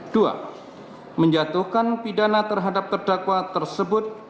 dua menjatuhkan pidana terhadap terdakwa tersebut